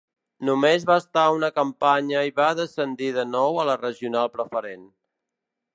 Només va estar una campanya i va descendir de nou a la Regional Preferent.